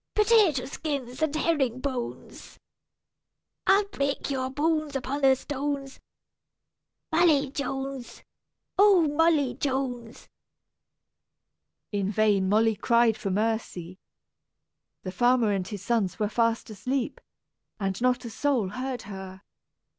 Potato skins and herring bones! I'll break your bones upon the stones, Molly Jones, oh! Molly Jones!" In vain Molly cried for mercy. The farmer and his sons were fast asleep, and not a soul heard her.